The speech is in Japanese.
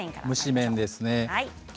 蒸し麺です。